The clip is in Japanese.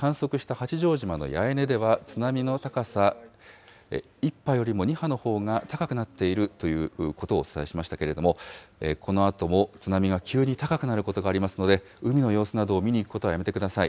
実際に観測した八丈島の八重根では、津波の高さ１波よりも２波のほうが高くなっているということをお伝えしましたけれども、このあとも津波が急に高くなることがありますので、海の様子などを見に行くことはやめてください。